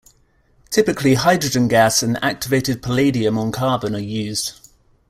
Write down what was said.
Typically hydrogen gas and activated palladium on carbon are used.